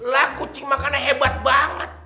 lah kucing makannya hebat banget